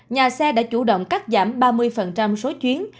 nhà xe đã chủ động cắt giảm ba mươi số chuyến